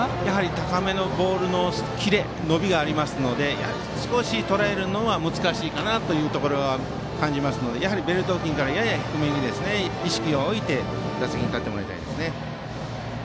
高めのボールのキレ伸びがありますので少しとらえるのは難しいかなというところを感じますのでベルト付近からやや低めに意識を置いて打席に立ってもらいたいです。